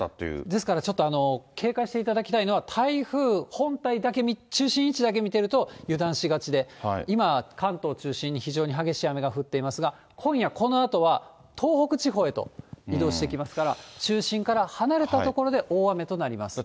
ですからちょっと警戒していただきたいのは、台風本体だけ、中心位置だけ見てると、油断しがちで、今、関東中心に非常に激しい雨が降っていますが、今夜、このあとは東北地方へと移動してきますから、中心から離れた所で大雨となります。